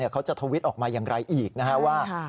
เขาจะทวิตออกมาอย่างไรอีกว่า